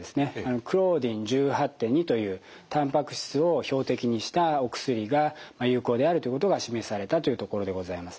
クローディン１８．２というたんぱく質を標的にしたお薬が有効であるということが示されたというところでございます。